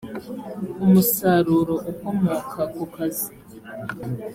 umusaruro ukomoka ku kazi